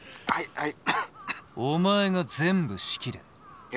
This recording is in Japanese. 「はい」。